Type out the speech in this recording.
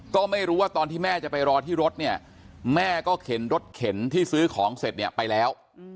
ก็ไม่รู้ว่าตอนที่แม่จะไปรอที่รถเนี่ยแม่ก็เข็นรถเข็นที่ซื้อของเสร็จเนี่ยไปแล้ว